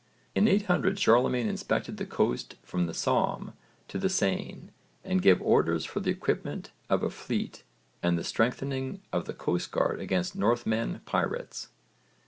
In 800 Charlemagne inspected the coast from the Somme to the Seine and gave orders for the equipment of a fleet and the strengthening of the coastguard against Northmen pirates.